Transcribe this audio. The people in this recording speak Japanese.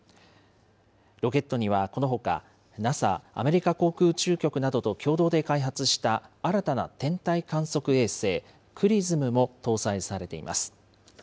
ロケットにはこのほか、ＮＡＳＡ・アメリカ航空宇宙局などと共同で開発した新たな天体観測衛星ＸＲＩＳＭも搭載されています。